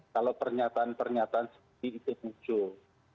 kalau pernyataan pernyataan seperti itu muncul